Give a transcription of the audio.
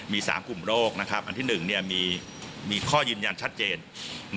มี๓กลุ่มโรคอันที่๑มีข้อยืนยันชัดเจน